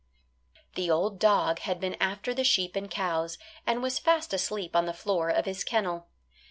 The old dog had been after the sheep and cows, and was fast asleep on the floor of his kennel.